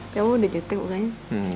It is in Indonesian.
kamu udah jutek mukanya